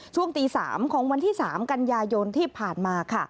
ช่วงตี๓ของวันที่๓กันยายนที่ผ่านมาค่ะ